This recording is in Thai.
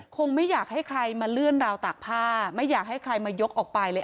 คงไม่อยากให้ใครมาเลื่อนราวตากผ้าไม่อยากให้ใครมายกออกไปเลย